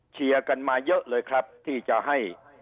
เชียร์กันมาเยอะเลยครับที่จะให้